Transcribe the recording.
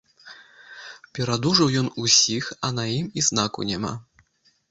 Перадужаў ён усіх, а на ім і знаку няма.